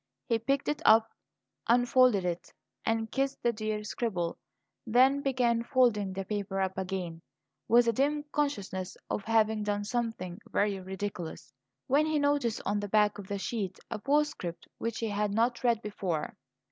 He picked it up, unfolded it, and kissed the dear scribble; then began folding the paper up again, with a dim consciousness of having done something very ridiculous, when he noticed on the back of the sheet a postscript which he had not read before.